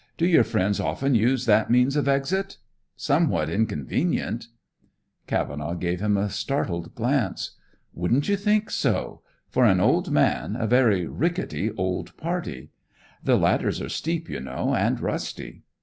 Do your friends often use that means of exit? Somewhat inconvenient." Cavenaugh gave him a startled glance. "Wouldn't you think so? For an old man, a very rickety old party? The ladders are steep, you know, and rusty."